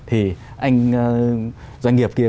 thì anh doanh nghiệp kia